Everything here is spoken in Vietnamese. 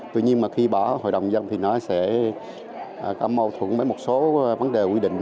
tuy nhiên mà khi bỏ hội đồng dân thì nó sẽ có mâu thuẫn với một số vấn đề quy định